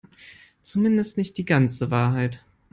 Zumindest nicht die ganze Wahrheit.